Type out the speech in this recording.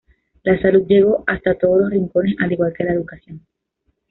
La salud llegó hasta todos los rincones al igual que la educación.